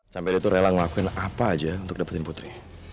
sampai dia tuh rela ngelakuin apa aja untuk dapetin putri